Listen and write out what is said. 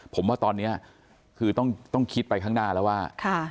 ผมว่าตอนนี้คือต้องคิดไปข้างหน้าแล้วว่า